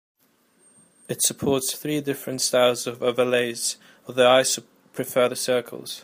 It supports three different styles of overlays, although I prefer the circles.